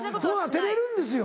照れるんですよ。